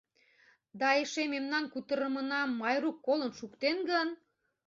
Да эше мемнан кутырымынам Майрук колын шуктен гын?